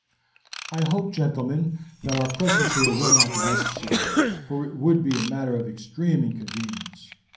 "I hope, gentlemen, that our presence here will not be necessary, for it would be a matter of extreme inconvenience.